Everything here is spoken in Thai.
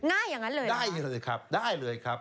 ง่ายอย่างนั้นเลยได้เลยครับได้เลยครับ